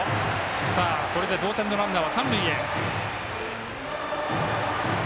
これで同点のランナーは三塁へ。